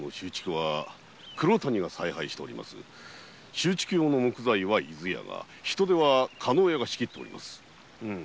修築用の木材は伊豆屋が人手は加納屋が仕切っております。